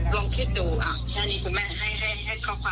ลองคิดดูแค่นี้คุณแม่ให้ก็ความเย็น